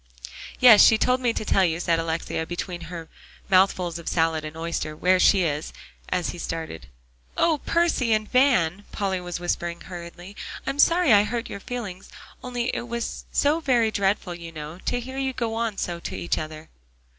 "Yes, she told me to tell you," said Alexia, between her mouthfuls of salad and oyster, "where she is," as he started. "Oh, Percy and Van!" Polly was whispering hurriedly, "I'm sorry I hurt your feelings, only it was so very dreadful, you know, to hear you go on so to each other."